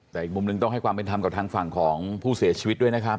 แต่อีกมุมหนึ่งต้องให้ความเป็นธรรมกับทางฝั่งของผู้เสียชีวิตด้วยนะครับ